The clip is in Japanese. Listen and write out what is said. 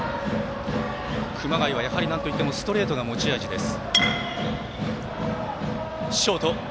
熊谷はなんといってもストレートが持ち味です。